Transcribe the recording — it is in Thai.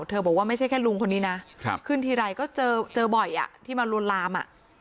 บอกว่าไม่ใช่แค่ลุงคนนี้นะขึ้นทีไรก็เจอบ่อยที่มาลวนลาม